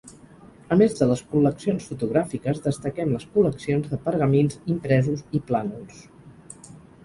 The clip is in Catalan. A més de les col·leccions fotogràfiques, destaquem les col·leccions de pergamins, impresos i plànols.